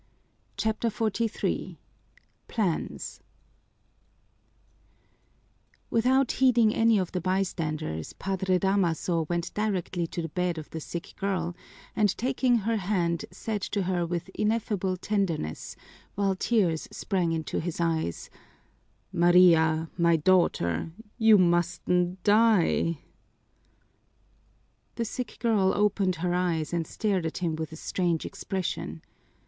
CHAPTER XLIII Plans Without heeding any of the bystanders, Padre Damaso went directly to the bed of the sick girl and taking her hand said to her with ineffable tenderness, while tears sprang into his eyes, "Maria, my daughter, you mustn't die!" The sick girl opened her eyes and stared at him with a strange expression.